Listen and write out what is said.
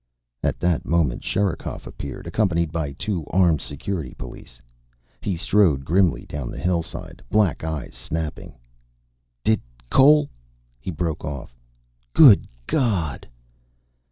At that moment Sherikov appeared, accompanied by two armed Security police. He strode grimly down the hillside, black eyes snapping. "Did Cole " He broke off. "Good God."